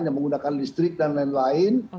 yang menggunakan listrik dan lain lain